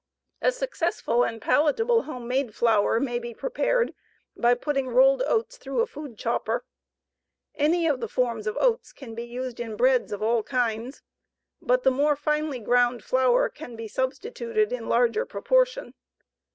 A successful and palatable home made flour may be prepared by putting rolled oats through a food chopper. Any of the forms of oats can be used in breads of all kinds, but the more finely ground flour can be substituted in larger proportion.